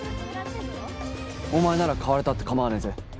お前なら買われたって構わねえぜ。